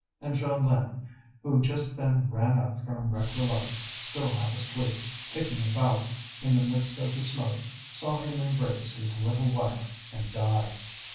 And Jeanlin, who just then ran up from Réquillart still half asleep, kicking about in the midst of the smoke, saw him embrace his little wife and die.